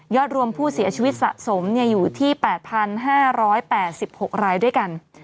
รวมผู้เสียชีวิตสะสมอยู่ที่๘๕๘๖รายด้วยกัน